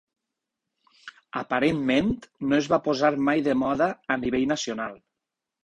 Aparentment, no es va posar mai de moda a nivell nacional.